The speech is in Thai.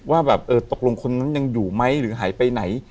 ว่าแบบเออตกลงคนนั้นยังอยู่ไหมหรือหายไปไหน